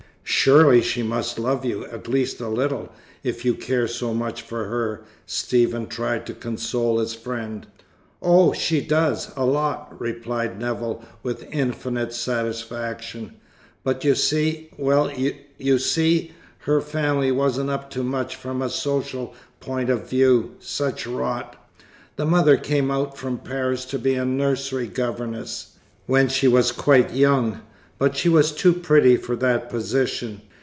"Surely she must love you, at least a little, if you care so much for her," Stephen tried to console his friend. "Oh, she does, a lot," replied Nevill with infinite satisfaction. "But, you see well, you see, her family wasn't up to much from a social point of view such rot! The mother came out from Paris to be a nursery governess, when she was quite young, but she was too pretty for that position.